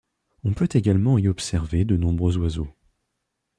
On peut également y observer de nombreux oiseaux.